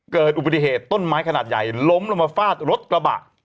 เกิดอุบัติเหตุต้นไม้ขนาดใหญ่ล้มลงมาฟาดรถกระบะ